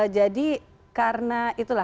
jadi karena itulah